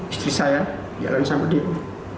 istri saya jalan sama demo